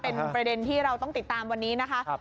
เป็นประเด็นที่เราต้องติดตามวันนี้นะคะ